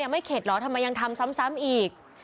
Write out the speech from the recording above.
ไม่เข็ดเหรอทำไมยังทำซ้ำอีก